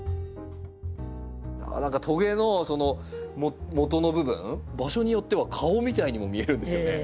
うわ何かトゲのそのもとの部分場所によっては顔みたいにも見えるんですよね。